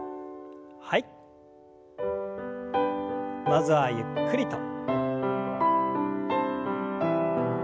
まずはゆっくりと。